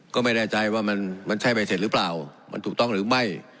ก็ไม่แน่ใจว่ามันใช่ใบเสร็จหรือเปล่ามันถูกต้องหรือไม่